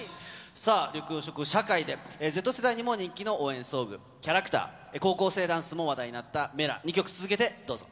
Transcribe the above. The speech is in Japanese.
さあ、緑黄色社会で、Ｚ世代にも人気の応援ソング、キャラクター、高校生ダンスも話題になったＭｅｌａ！、２曲続けてどうぞ。